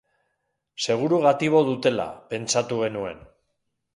Seguru gatibu dutela, pentsatu genuen.